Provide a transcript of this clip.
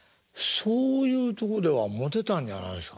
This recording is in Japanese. そういうとこではモテたんじゃないですか？